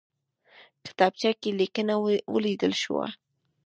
کتابچه کې لیکنه ولیدل شوه.